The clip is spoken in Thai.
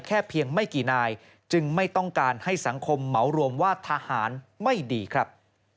เพียงไม่กี่นายจึงไม่ต้องการให้สังคมเหมารวมว่าทหารไม่ดีครับ